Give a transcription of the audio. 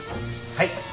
はい。